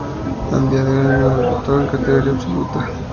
A día de hoy no ha debutado en categoría absoluta.